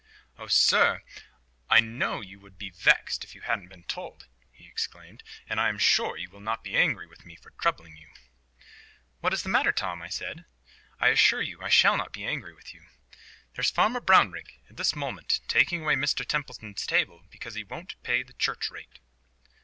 "Oh, sir, I know you would be vexed if you hadn't been told," he exclaimed, "and I am sure you will not be angry with me for troubling you." "What is the matter, Tom?" I said. "I assure you I shall not be angry with you." "There's Farmer Brownrigg, at this very moment, taking away Mr Templeton's table because he won't pay the church rate."